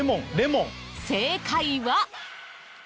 正解は。